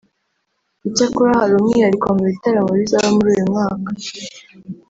Icyakora hari umwihariko mu bitaramo bizaba muri uyu mwaka